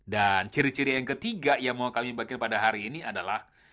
dan ciri ciri yang ketiga yang mau kami bagikan pada hari ini adalah